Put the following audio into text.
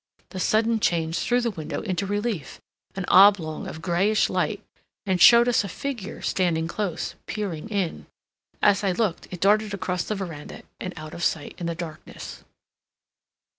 The sudden change threw the window into relief, an oblong of grayish light, and showed us a figure standing close, peering in. As I looked it darted across the veranda and out of sight in the darkness.